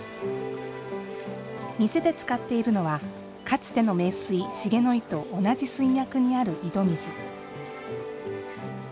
店で使っているのはかつての名水「滋野井」と同じ水脈にある井戸水。